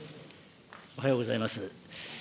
おはようございます。